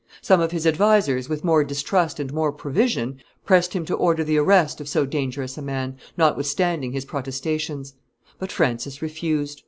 Some of his advisers, with more distrust and more prevision, pressed him to order the arrest of so dangerous a man, notwithstanding his protestations; but Francis refused.